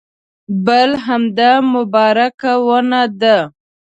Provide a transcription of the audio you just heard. بل همدا مبارکه ونه ده.